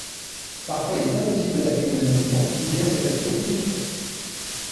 Parfois, il est impossible d'appuyer manuellement, ou bien cet appui est inefficace.